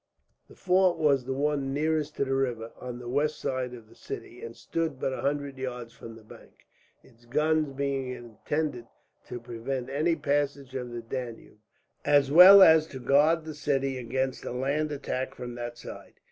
The fort was the one nearest to the river, on the west side of the city; and stood but a hundred yards from the bank, its guns being intended to prevent any passage of the Danube, as well as to guard the city against a land attack from that side.